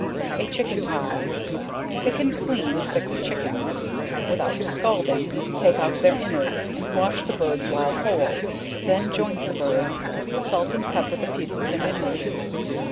A Chicken Pie. Pick and clean six chickens, (without scalding) take out their inwards and wash the birds while whole, then joint the birds, salt and pepper the pieces and inwards.